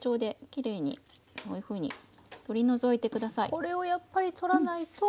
これをやっぱり取らないと。